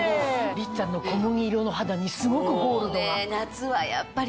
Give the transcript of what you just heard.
りっちゃんの小麦色の肌にすごくゴールドが。